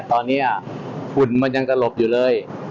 ตอนนี้ฝุ่นมันยังจะหลบอยู่เลย